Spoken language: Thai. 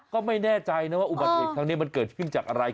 ก็ไม่แน่ใจนะว่าอุบัติเหตุครั้งนี้มันเกิดขึ้นจากอะไร